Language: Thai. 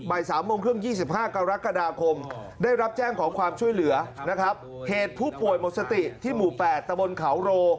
๓โมงครึ่ง๒๕กรกฎาคมได้รับแจ้งขอความช่วยเหลือนะครับเหตุผู้ป่วยหมดสติที่หมู่๘ตะบนเขาโร